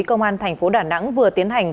công an tp đà nẵng vừa tiến hành